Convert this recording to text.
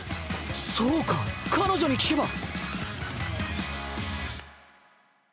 そうか彼女に聞けば！